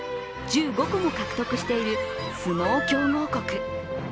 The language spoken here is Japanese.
１５個も獲得している相撲強豪国。